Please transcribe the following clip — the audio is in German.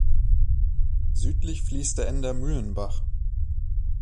Südlich fließt der Ender Mühlenbach.